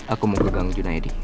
aku mau ke gang junaedi